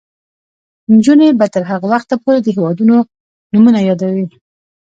نجونې به تر هغه وخته پورې د هیوادونو نومونه یادوي.